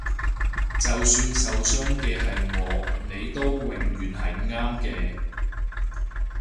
就算受傷嘅係我你都永遠係啱嘅